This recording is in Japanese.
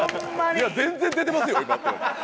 「いや全然出てますよ今」って。